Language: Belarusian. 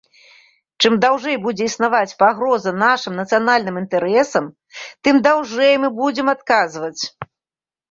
Чым даўжэй будзе існаваць пагроза нашым нацыянальным інтарэсам, тым даўжэй мы будзем адказваць.